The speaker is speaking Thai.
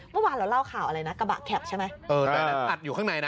เมื่อวานเราเล่าข่าวอะไรนะกระบะแข็บใช่ไหมเออนั่นอัดอยู่ข้างในนะ